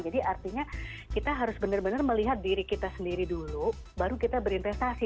jadi artinya kita harus benar benar melihat diri kita sendiri dulu baru kita berinvestasi